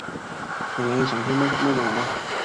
本来想去麦当劳